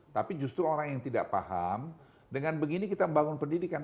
tapi justru orang yang tidak paham dengan begini kita membangun pendidikan